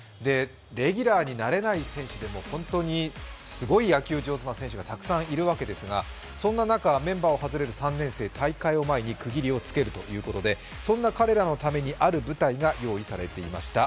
レギュラーになれない選手でも本当にすごい野球上手な選手がたくさんいるわけですが、そんな中、メンバーを外れる３年生、大会を前に区切りをつけるということでそんな彼らのためにある舞台が用意されていました。